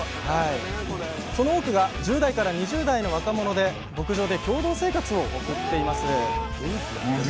その多くが１０代から２０代の若者で牧場で共同生活を送っています